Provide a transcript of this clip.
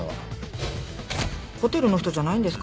ホテルの人じゃないんですか？